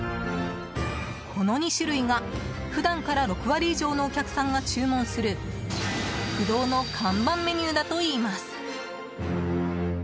この２種類が、普段から６割以上のお客さんが注文する不動の看板メニューだといいます。